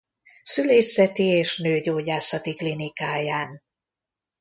Szülészeti és Nőgyógyászati Klinikáján.